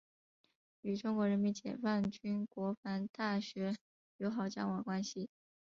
与中国人民解放军国防大学友好交往关系。